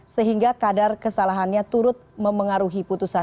sehingga kadar kesalahannya turut memengaruhi putusan